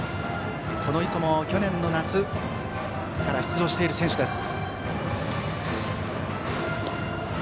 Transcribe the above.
この磯も去年の夏から出場している選手です。